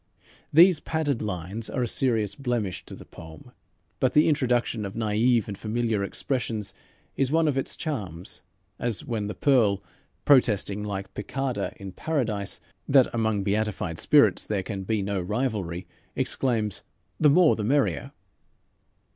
These padded lines are a serious blemish to the poem, but the introduction of naïve and familiar expressions is one of its charms, as when the Pearl, protesting like Piccarda in Paradise that among beatified spirits there can be no rivalry, exclaims: "The more the merrier."